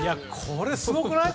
これすごくない？